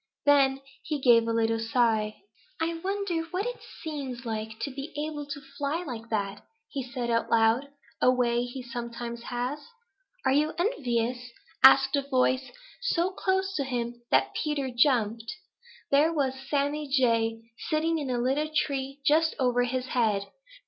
Then he gave a little sigh. "I wonder what it seems like to be able to fly like that," said he out loud, a way he sometimes has. "Are you envious?" asked a voice so close to him that Peter jumped. There was Sammy Jay sitting in a little tree just over his head.